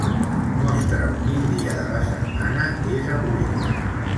Mostra'm quin dia de la setmana és avui.